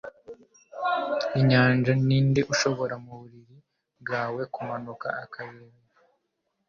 inyanja, ninde ushobora mu buriri bwawe kumanuka akareba